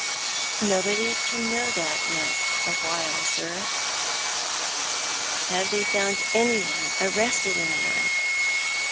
" Nobody can know that yet awhile, sii".'' " Have they found any one — arrested any one